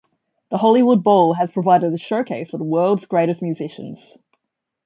The Hollywood Bowl has provided a showcase for the world's greatest musicians.